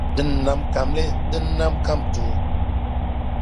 Din nam kamli, dina n-nam kamtoo.